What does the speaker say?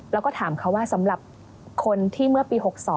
แล้วก็ถามเขาว่าสำหรับคนที่เมื่อปี๖๒